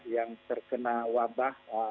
yang terkena wabah